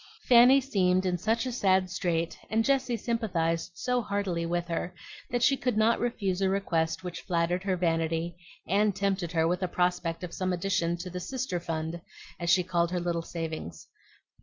Fanny seemed in such a sad strait, and Jessie sympathized so heartily with her, that she could not refuse a request which flattered her vanity and tempted her with a prospect of some addition to the "Sister fund," as she called her little savings.